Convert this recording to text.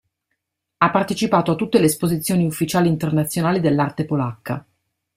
Ha partecipato a tutte le esposizioni ufficiali internazionali dell'arte polacca.